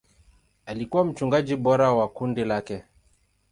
Alikuwa mchungaji bora wa kundi lake.